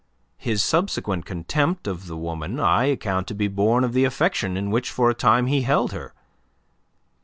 His subsequent contempt of the woman I account to be born of the affection in which for a time he held her.